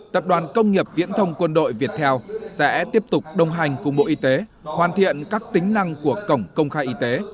tập đoàn công nghiệp viễn thông quân đội việt theo sẽ tiếp tục đồng hành cùng bộ y tế hoàn thiện các tính năng của cổng công khai y tế